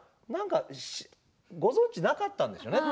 でも、ご存じなかったんでしょうね。